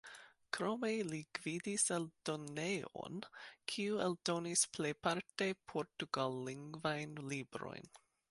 Krome li gvidis eldonejon, kiu eldonis plejparte portugallingvajn librojn.